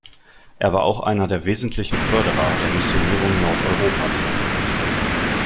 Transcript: Er war auch einer der wesentlichen Förderer der Missionierung Nordeuropas.